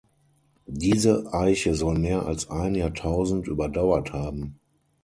Diese Eiche soll mehr als ein Jahrtausend überdauert haben.